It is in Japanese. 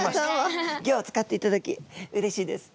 ギョを使っていただきうれしいです。